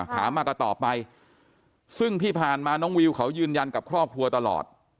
ถามมาก็ตอบไปซึ่งที่ผ่านมาน้องวิวเขายืนยันกับครอบครัวตลอด